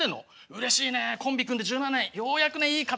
うれしいねコンビ組んで１７年ようやくねいい形になって。